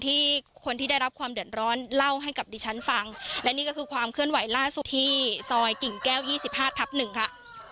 ที่คนที่ได้รับความเดือดร้อนเล่าให้กับดิฉันฟังและนี่ก็คือความเคลื่อนไหวล่าสุดที่ซอยกิ่งแก้วยี่สิบห้าทับหนึ่งค่ะ